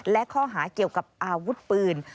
และข้อหาเกี่ยวกับอาวุธปืน